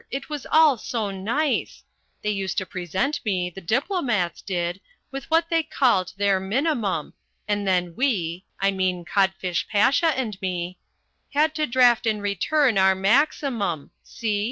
It was all so nice. They used to present me the diplomats did with what they called their Minimum, and then we (I mean Codfish Pasha and me) had to draft in return our Maximum see?